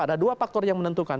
ada dua faktor yang menentukan